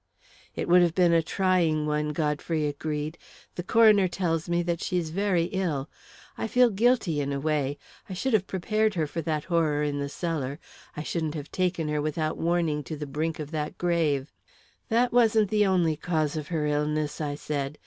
"It would have been a trying one," Godfrey agreed. "The coroner tells me that she's very ill. I feel guilty, in a way. I should have prepared her for that horror in the cellar. I shouldn't have taken her without warning to the brink of that grave." "That wasn't the only cause of her illness," I said.